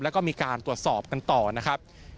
แล้วก็มีการตรวจสอบกันต่อนะครับ